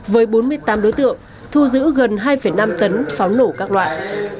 với bốn mươi tám đối tượng thu giữ gần hai năm tấn pháo nổ các loại